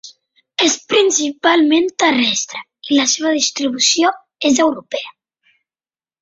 És principalment terrestre i la seva distribució és europea.